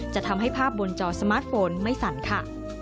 จะทำให้ภาพบนจอสมาร์ทโฟนไม่สั่นค่ะ